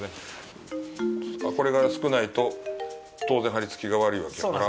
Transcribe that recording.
あっ、これが少ないと、当然、貼りつきが悪いわけやから。